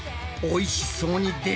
おいしそう！